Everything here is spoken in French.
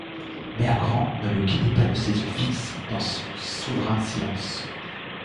Mère-Grand ne le quittait pas de ses yeux fixes, dans son souverain silence.